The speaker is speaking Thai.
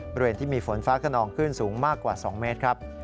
บริเวณที่มีฝนฟ้าขนองคลื่นสูงมากกว่า๒เมตรครับ